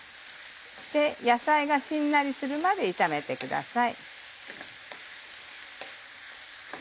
野菜がしんなりするまで炒めてください。